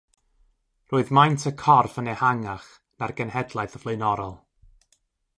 Roedd maint y corff yn ehangach na'r genhedlaeth flaenorol.